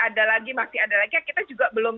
ada lagi masih ada lagi kita juga belum